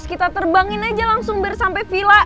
kita terbangin aja langsung biar sampai villa